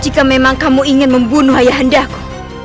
jika memang kamu ingin membunuh ayah anda aku